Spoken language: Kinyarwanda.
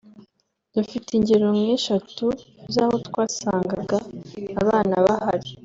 Dufite ingero nk’eshatu z’aho twasangaga abana bahari